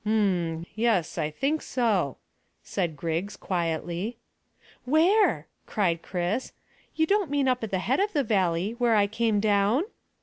"'M, yes, I think so," said Griggs quietly. "Where?" cried Chris. "You don't mean up at the head of the valley, where I came down?"